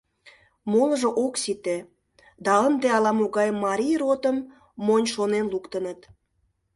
Молыжо ок сите, да ынде ала-могай Марий ротым монь шонен луктыныт.